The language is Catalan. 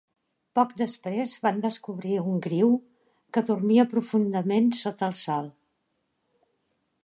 Poc després van descobrir un griu que dormia profundament sota el sol.